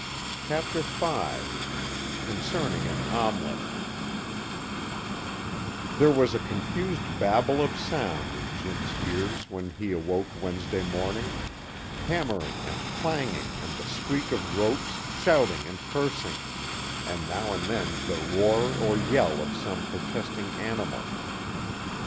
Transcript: CHAPTER V Concerning an Omelet There was a confused babel of sound in Jim's ears when he awoke Wednesday morning; hammering and clanging and the squeak of ropes, shouting and cursing, and now and then the roar or yell of some protesting animal.